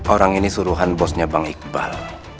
orang ini suruhan bosnya bang iqbal